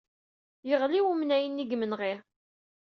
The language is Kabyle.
Yeɣli wemnay-nni deg yimenɣi.